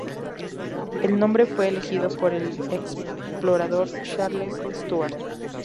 El nombre fue elegido por el explorador Charles Stuart.